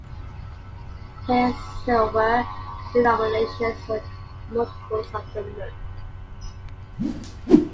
His silver denominations were multiples of the merk.